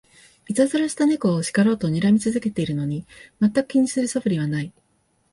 いたずらした猫を叱ろうとにらみ続けてるのに、まったく気にする素振りはない